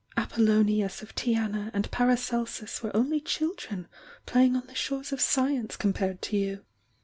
ApoUonius of Tyana and Paracelsus were only children playing on the shores of science compared to you!